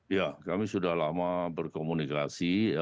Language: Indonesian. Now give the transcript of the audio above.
ya kami sudah lama berkomunikasi